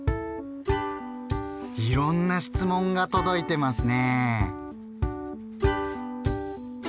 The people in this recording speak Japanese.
いろんな質問が届いてますね。